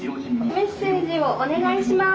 メッセージをお願いします。